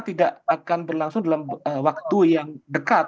tidak akan berlangsung dalam waktu yang dekat